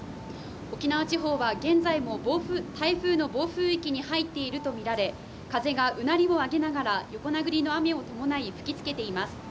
沖縄地方は現在も台風の暴風域に入っていると見られ風がうなりを上げながら横殴りの雨を伴い吹き付けています